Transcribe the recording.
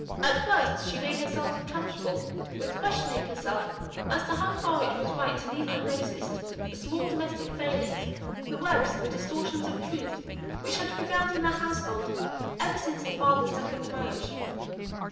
At first she made herself uncomfortable with questioning herself as to how far it was right to leave unnoticed the small domestic failings the webs, the distortions of truth which had prevailed in their household ever since her father's second marriage.